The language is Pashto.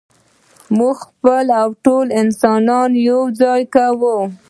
موږ خپله او ټول انسانان یو ځای کوو.